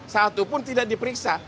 satupun tidak diperiksa